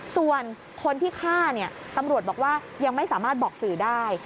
ส่วนคนที่ฆ่าเนี่ยตำรวจบอกว่ายังไม่สามารถบอกสื่อได้